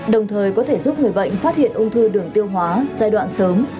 đồng thời có thể giúp người bệnh phát hiện ung thư đường tiêu hóa giai đoạn sớm